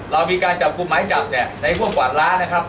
เรามีการจำคุมไม้จับเนี้ยในห้วงกว่าร้านนะครับ